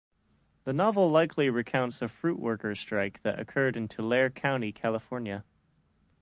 The novel likely recounts a fruit worker strike that occurred in Tulare County, California.